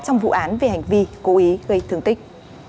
trong vụ án về hành vi cố ý gây thương tích